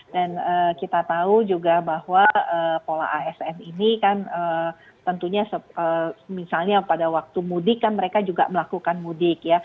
dan kita tahu juga bahwa pola asn ini kan tentunya misalnya pada waktu mudik kan mereka juga melakukan mudik